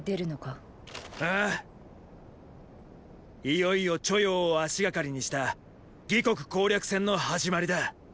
いよいよ著雍を足がかりにした魏国攻略戦の始まりだ。